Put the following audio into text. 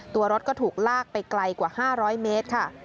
ตัวรถก็ถูกลากไปไกลกว่า๕๐๐เมตรค่ะ